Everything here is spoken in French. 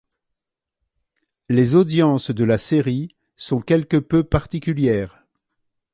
Les audiences de la série sont quelque peu particulières.